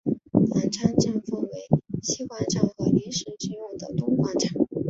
南昌站分为西广场和临时启用的东广场。